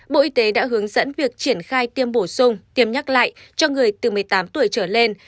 bộ y tế đã hướng dẫn việc triển khai tiêm bổ sung tiêm nhắc lại cho người từ một mươi tám tuổi trở lên